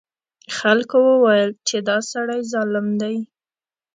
خلکو وویل چې دا سړی ظالم دی.